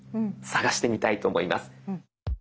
探してみたいと思います。